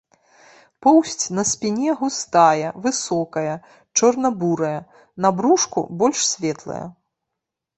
Поўсць на спіне густая, высокая, чорна-бурая, на брушку больш светлая.